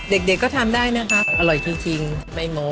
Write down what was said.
เด็กก็ทำได้นะครับอร่อยจริงไม่โม้